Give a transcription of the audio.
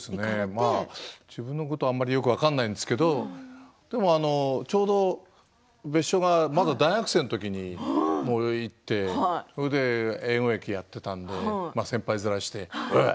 自分のことはあまりよく分からないんですけどでもちょうど別所がまだ大学生の時に行って英語劇をやっていたので先輩面して、おい！